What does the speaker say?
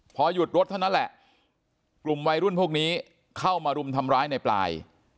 พอหยุดรถเท่านั้นแหละกลุ่มวัยรุ่นพวกนี้เข้ามารุมทำร้ายในปลาย